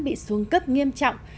bị xuống cấp nghiêm trọng